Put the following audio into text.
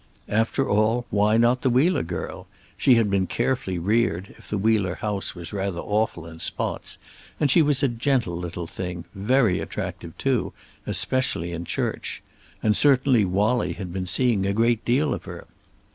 After all, why not the Wheeler girl? She had been carefully reared, if the Wheeler house was rather awful in spots, and she was a gentle little thing; very attractive, too, especially in church. And certainly Wallie had been seeing a great deal of her.